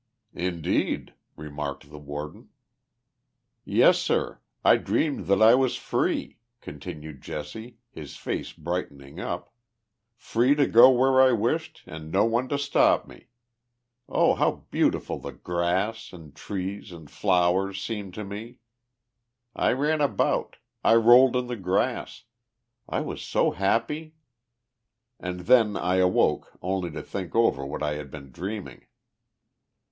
44 Indeed." remarked the Warden. *• Yes, sir. I dreamed that I was free," continued Jesse, his face brightening up, ' 4 free to go where I wished and no one to stop me. Oh ! how beautiful the grass, and trees, and flowers seemed to me. I ran about. I rolled in the grass. I was so happy. And then I awoke only to think over what I had been dreaming.